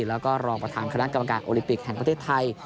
แล้วก็รองประธานคณะกรรมการโอลิปิกแห่งประเทศไทย